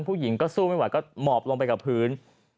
ผู้หญิงก็สู้ไม่ไหวก็หมอบลงไปกับพื้น